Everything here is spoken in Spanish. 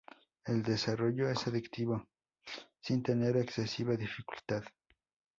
El desarrollo es adictivo sin tener excesiva dificultad.